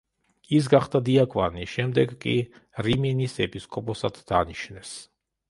ის გახდა დიაკვანი, შემდეგ კი რიმინის ეპისკოპოსად დანიშნეს.